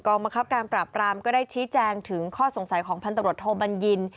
บังคับการปราบรามก็ได้ชี้แจงถึงข้อสงสัยของพันตำรวจโทบัญญิน